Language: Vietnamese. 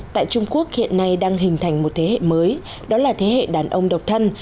tại trung quốc hiện nay đang hình thành một thế hệ mới đó là thế hệ đàn ông độc thân